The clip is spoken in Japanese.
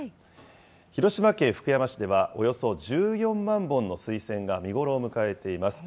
広島県福山市では、およそ１４万本の水仙が見頃を迎えています。